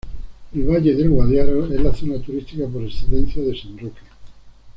El Valle del Guadiaro es la zona turística por excelencia de San Roque.